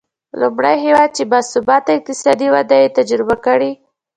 لومړی هېواد چې با ثباته اقتصادي وده یې تجربه کړې.